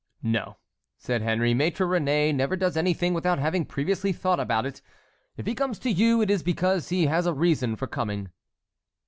"No!" said Henry; "Maître Réné never does anything without having previously thought about it. If he comes to you, it is because he has a reason for coming."